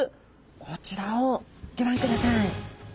こちらをギョ覧ください。